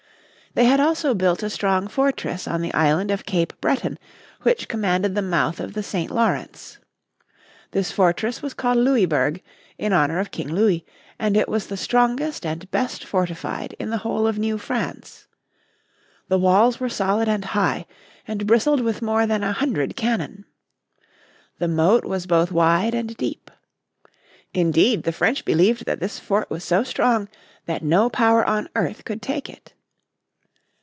They had also built a strong fortress on the Island of Cape Breton which commanded the mouth of the St. Lawrence. This fortress was called Louisburg in honour of King Louis, and it was the strongest and best fortified in the whole of New France. The walls were solid and high, and bristled with more than a hundred cannon. The moat was both wide and deep. Indeed the French believe that this fort was so strong that no power on earth could take it.